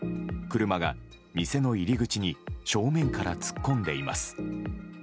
車が店の入り口に正面から突っ込んでいます。